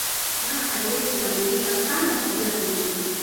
Nyama haiwezi kutambulika kama chakula kikuu